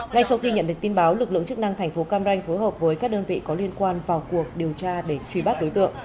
ngay sau khi nhận được tin báo lực lượng chức năng thành phố cam ranh phối hợp với các đơn vị có liên quan vào cuộc điều tra để truy bắt đối tượng